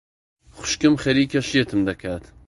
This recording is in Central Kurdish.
خوشکم خەریکە شێتم دەکات.